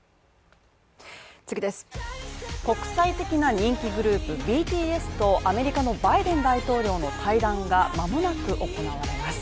国際的な人気グループ、ＢＴＳとアメリカのバイデン大統領の対談が間もなく行われます。